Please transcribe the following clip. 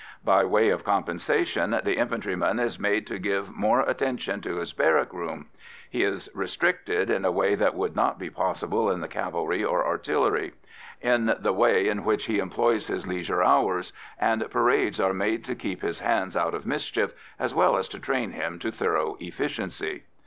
By way of compensation, the infantryman is made to give more attention to his barrack room; he is restricted, in a way that would not be possible in the cavalry or artillery, in the way in which he employs his leisure hours, and parades are made to keep his hands out of mischief, as well as to train him to thorough efficiency.